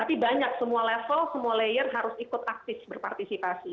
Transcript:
tapi banyak semua level semua layer harus ikut aktif berpartisipasi